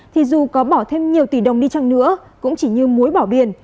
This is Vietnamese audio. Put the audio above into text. thì dù có bỏ thêm nhiều tỷ đồng đi chăng nữa cũng chỉ như muối bỏ biển